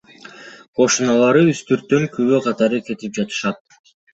Кошуналары үстүртөн күбө катары кетип жатышат.